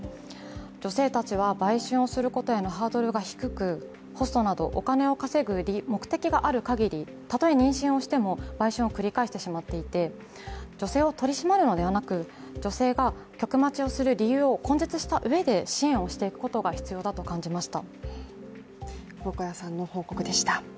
女性たちは、売春をすることへのハードルが低くホストなど、お金を稼ぐ目的があるかぎりたとえ妊娠をしても売春を繰り返してしまっていて、女性を取り締まるのではなく女性が客待ちをする理由を根絶したうえだ支援をしていくことが必要だと感じました。